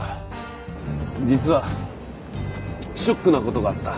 実はショックな事があった。